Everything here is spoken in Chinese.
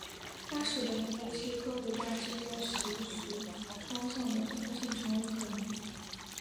它使得服务器和客户端之间实时双向的通信成为可能。